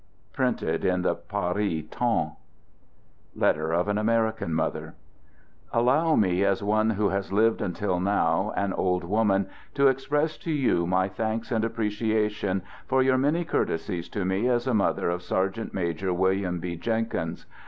— Printed in the Paris Temps. (Letter of an American mother) Allow me, as one who has lived until now an old woman, to express to you my thanks and apprecia tion for your many courtesies to me as mother of 173 174 "THE GOOD SOLDIER Sergeant Major William B. Jenkins.